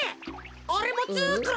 おれもつくろ。